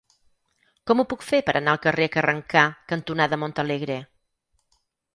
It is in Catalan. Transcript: Com ho puc fer per anar al carrer Carrencà cantonada Montalegre?